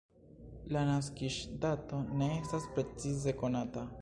La naskiĝdato ne estas precize konata.